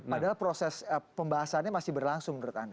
padahal proses pembahasannya masih berlangsung menurut anda